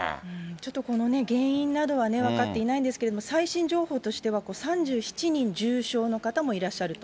ちょっとこの原因などは分かっていないんですけれども、最新情報としては、３７人重傷の方もいらっしゃると。